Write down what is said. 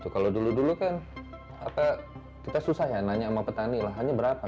kalau dulu dulu kan kita susah ya nanya sama petani lahannya berapa